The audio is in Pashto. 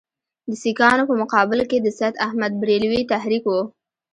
د سیکهانو په مقابل کې د سید احمدبرېلوي تحریک وو.